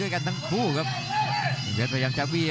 ยังไงยังไง